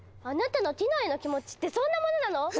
あなたのティノへの気持ちってそんなものなの？